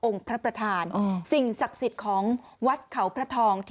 พระประธานสิ่งศักดิ์สิทธิ์ของวัดเขาพระทอง